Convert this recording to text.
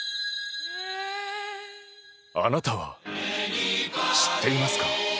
あなたは知っていますか？